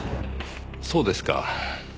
そうですか。